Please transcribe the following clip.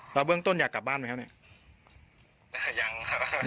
เราเบื้องต้นอยากกลับบ้านไม่แล้วเนี่ย